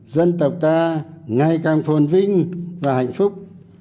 dân tộc ta ngày càng phồn vinh và hạnh phúc